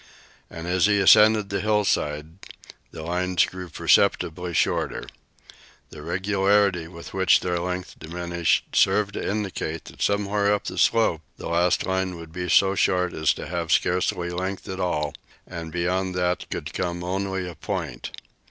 And as he ascended the hillside the lines grew perceptibly shorter. The regularity with which their length diminished served to indicate that somewhere up the slope the last line would be so short as to have scarcely length at all, and that beyond could come only a point.